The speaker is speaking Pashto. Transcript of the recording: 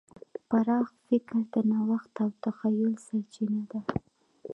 پراخ فکر د نوښت او تخیل سرچینه ده.